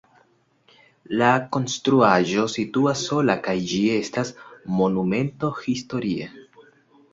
La konstruaĵo situas sola kaj ĝi estas Monumento historia.